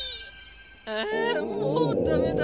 あもうダメだ。